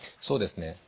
そうですね